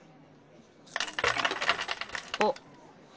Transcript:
あっ。